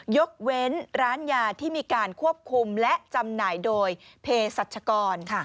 ยกเว้นร้านยาที่มีการควบคุมและจำหน่ายโดยเพศรัชกร